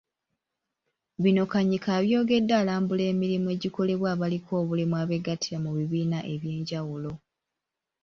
Bino Kanyike abyogedde alambula emirimu egikolebwa abaliko obulemu abeegattira mu bibiina eby'enjawulo.